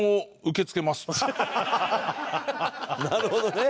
なるほどね。